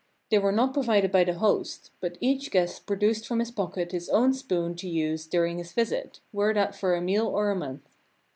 They were not pro vided by the host, but each guest produced from his pocket his own spoon to use during his visit, were that for a meal or a month.